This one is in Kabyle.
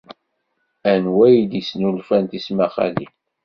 Anwa ay d-yesnulfan tismaqqalin?